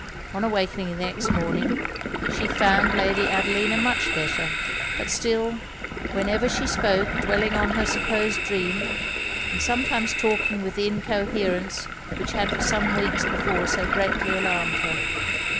On awakening the next morning, she found Lady Adelina much better; but still, whenever she spoke, dwelling on her supposed dream, and sometimes talking with that incoherence which had for some weeks before so greatly alarmed her.